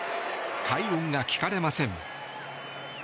快音が聞かれません。